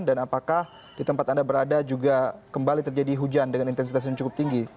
dan apakah di tempat anda berada juga kembali terjadi hujan dengan intensitas yang cukup tinggi